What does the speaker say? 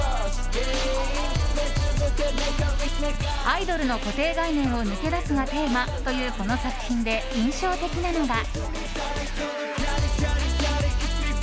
「アイドルの固定概念を抜け出す」がテーマというこの作品で印象的なのが。